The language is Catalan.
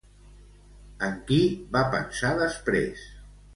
En qui va pensar després?